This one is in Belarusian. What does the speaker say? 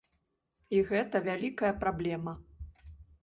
І гэта вялікая праблема.